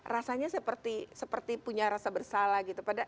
rasanya seperti punya rasa bersalah gitu